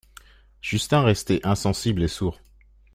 Justin restait insensible et sourd.